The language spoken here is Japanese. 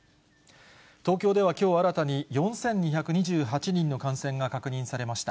東京ではきょう新たに４２２８人の感染が確認されました。